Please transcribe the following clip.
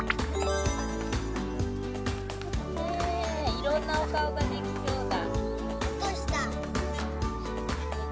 いろんなお顔ができそうだ。